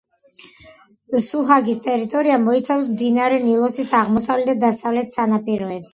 სუჰაგის ტერიტორია მოიცავს მდინარე ნილოსის აღმოსავლეთ და დასავლეთ სანაპიროებს.